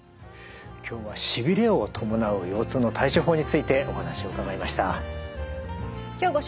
今日はしびれを伴う腰痛の対処法についてお話を伺いました。